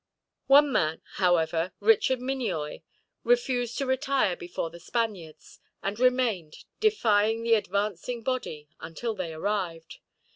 One man, however, Richard Minnioy, refused to retire before the Spaniards; and remained, defying the advancing body, until they arrived.